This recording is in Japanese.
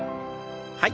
はい。